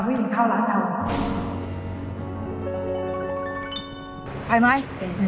รู้แล้ว